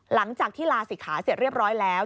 หลังจากที่ลาศิกขาเสร็จเรียบร้อยแล้ว